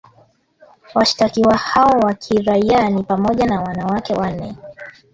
Washtakiwa hao wa kiraia ni pamoja na wanawake wanne.